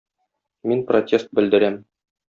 Мин протест белдерәм!